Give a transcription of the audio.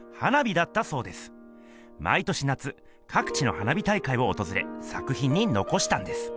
毎年夏かく地の花火大会をおとずれさくひんにのこしたんです。